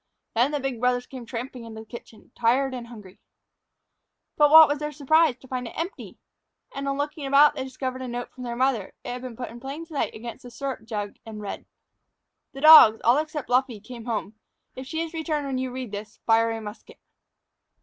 Then the big brothers came tramping into the kitchen, tired and hungry. But what was their surprise to find it empty. And, on looking about, they discovered a note from their mother. It had been put in plain sight against the syrup jug and read: "_The dogs, all except Luffree, came home. If she has returned when you read this, fire a musket.